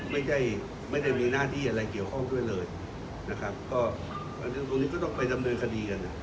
ไม่ได้ไม่ได้มีหน้าที่อะไรเกี่ยวข้องด้วยเลยนะครับก็เรื่องตรงนี้ก็ต้องไปดำเนินคดีกัน